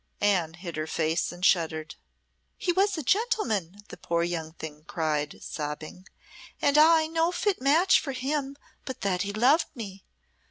Anne hid her face and shuddered. "He was a gentleman," the poor young thing cried, sobbing "and I no fit match for him, but that he loved me.